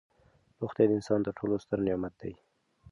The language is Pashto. روغتیا د انسان تر ټولو ستر نعمت دی.